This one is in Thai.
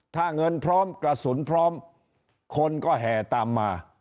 ถ้าเงินพร้อมกระสุนพร้อมคนก็แห่ตามมา